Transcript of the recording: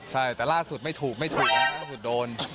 ใช่แต่ล่าสุดไม่ถูกไม่ถูกก็คือโดน